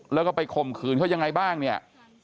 แล้วก็ไปข่มขืนเขายังไงบ้างเนี่ย